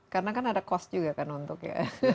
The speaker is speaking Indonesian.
karena kan ada cost juga kan untuk ya